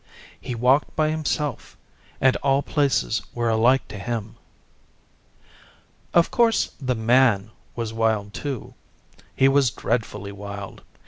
He walked by himself, and all places were alike to him. Of course the Man was wild too. He was dreadfully wild.